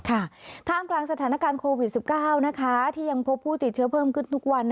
ท่ามกลางสถานการณ์โควิด๑๙นะคะที่ยังพบผู้ติดเชื้อเพิ่มขึ้นทุกวัน